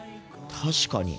確かに。